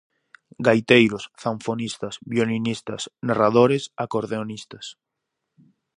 Gaiteiros, zanfonistas, violinistas, narradores, acordeonistas...